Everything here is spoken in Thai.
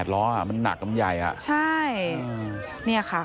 ล้ออ่ะมันหนักมันใหญ่อ่ะใช่เนี่ยค่ะ